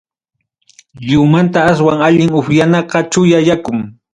Lliwmanta aswan allin upyanaqa chuya yakum.